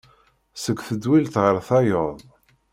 Seg tedwilt γer tayeḍ.